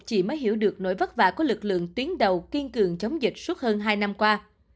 chị mới hiểu được nỗi vất vả của lực lượng tuyến đầu kiên cường chống dịch suốt hơn hai năm qua